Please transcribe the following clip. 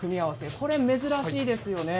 これ珍しいですよね。